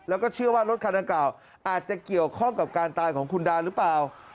แล้วก็เชื่อว่ารถคันดังกล่าวอาจจะเกี่ยวข้องกับการตายของคุณดาหรือเปล่า